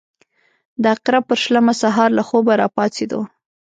د عقرب پر شلمه سهار له خوبه راپاڅېدو.